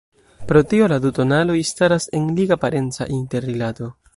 Pro tio la du tonaloj staras en liga parenca interrilato.